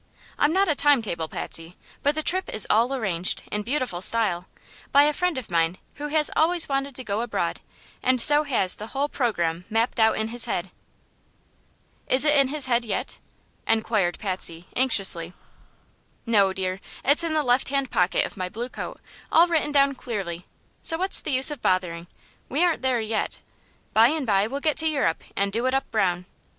I'm not a time table, Patsy; but the trip is all arranged, in beautiful style, by a friend of mine who has always wanted to go abroad, and so has the whole programme mapped out in his head." "Is it in his head yet?" enquired Patsy, anxiously. "No, dear; it's in the left hand pocket of my blue coat, all written down clearly. So what's the use of bothering? We aren't there yet. By and bye we'll get to Eu rope an' do it up brown.